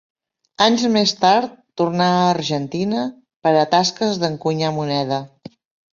Anys més tard tornà a Argentina per a tasques d'encunyar moneda.